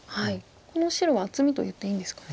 この白は厚みといっていいんですかね。